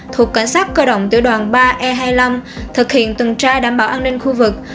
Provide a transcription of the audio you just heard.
thuộc cảnh sát cơ động tiểu đoàn ba e hai mươi năm thực hiện tuần tra đảm bảo an ninh khu vực